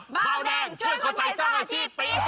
เบาแดงช่วยคนไทยสร้างอาชีพปี๒๕